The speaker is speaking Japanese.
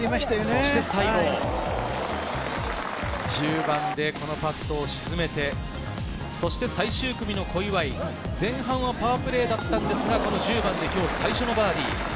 そして西郷、１０番でこのパットを沈めて、そして最終組の小祝、前半はパープレーだったんですが、１０番で今日最初のバーディー。